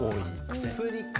薬か！